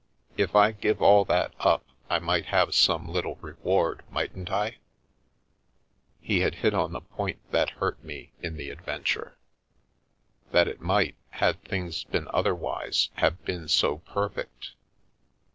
If I give all that up I might have some little reward, mightn't I ?" He had hit on the point that hurt me in the adven ture — that it might, had things been otherwise, have been so perfect.